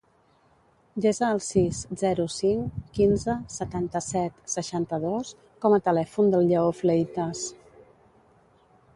Desa el sis, zero, cinc, quinze, setanta-set, seixanta-dos com a telèfon del Lleó Fleitas.